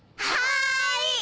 はい！